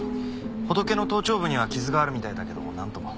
ホトケの頭頂部には傷があるみたいだけどなんとも。